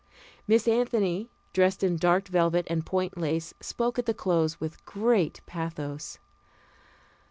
Miss Anthony, dressed in dark velvet and point lace, spoke at the close with great pathos.